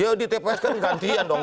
ya di tps kan gantian dong